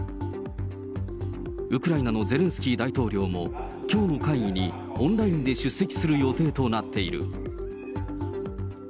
ウクライナのゼレンスキー大統領もきょうの会議にオンラインで出席する予定となっている。